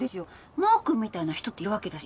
マー君みたいな人だっているわけだし。